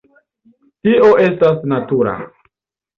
Tio estas natura.